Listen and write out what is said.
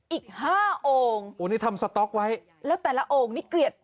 อีกห้าโอ่งโอ้นี่ทำสต๊อกไว้แล้วแต่ละโอ่งนี่เกลียด